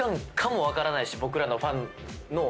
僕らのファンの。